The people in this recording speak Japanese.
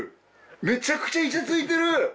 めちゃくちゃイチャついてる！